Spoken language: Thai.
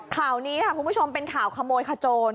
ข่าวนี้ค่ะคุณผู้ชมเป็นข่าวขโมยขโจร